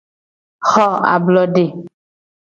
Xo ablode.